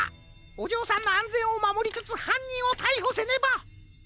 おじょうさんのあんぜんをまもりつつはんにんをたいほせねば！